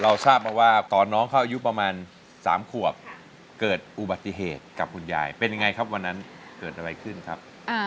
ทราบมาว่าตอนน้องเขาอายุประมาณ๓ขวบเกิดอุบัติเหตุกับคุณยายเป็นยังไงครับวันนั้นเกิดอะไรขึ้นครับ